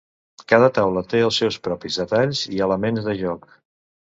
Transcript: Cada taula té els seus propis detalls i elements de joc.